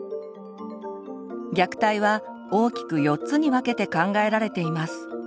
虐待は大きく４つに分けて考えられています。